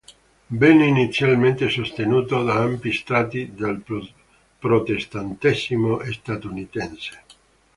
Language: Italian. Venne inizialmente sostenuto da ampi strati del protestantesimo statunitense.